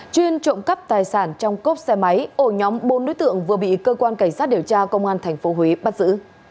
chuyên trộm cắp tài sản trong cốp xe máy ổ nhóm bốn đối tượng vừa bị cơ quan cảnh sát điều tra công an tp huế bắt giữ